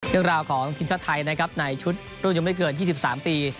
เรื่องราวของทีมชาติไทยนะครับในชุดรุ่นยังไม่เกิน๒๓ปี